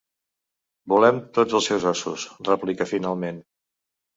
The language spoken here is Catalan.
Volem tots els seus ossos —replica finalment—.